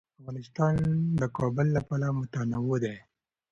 افغانستان د کابل له پلوه متنوع دی.